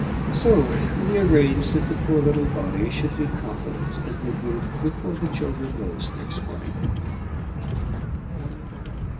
So we arranged that the poor little body should be coffined and removed before the children rose next morning.